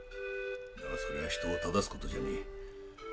だがそれは人を正す事じゃねえ。